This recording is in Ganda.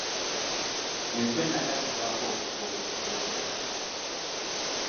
Enswa ennaka zivaako obutiko obuyitibwa obunnakannaka.